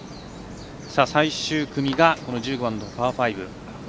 最終組が１５番パー５。